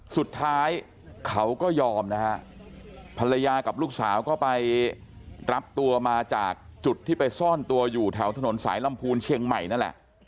สุดท้ายเขาก็ยอมนะฮะภรรยากับลูกสาวก็ไปรับตัวมาจากจุดที่ไปซ่อนตัวอยู่แถวถนนสายลำพูนเชียงใหม่นั่นแหละ